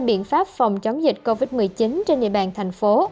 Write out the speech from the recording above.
biện pháp phòng chống dịch covid một mươi chín trên địa bàn